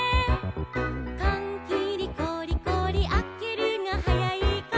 「かんきりゴリゴリあけるがはやいか」